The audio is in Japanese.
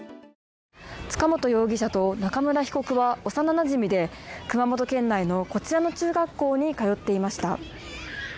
塚本容疑者と中村被告は幼なじみで熊本県内のこちらの中学校に通っていました。